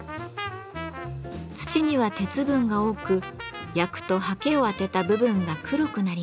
土には鉄分が多く焼くと刷毛を当てた部分が黒くなります。